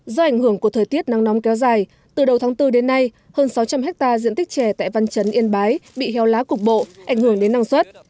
do ảnh hưởng của thời tiết nắng nóng kéo dài từ đầu tháng bốn đến nay hơn sáu trăm linh hectare diện tích chè tại văn chấn yên bái bị heo lá cục bộ ảnh hưởng đến năng suất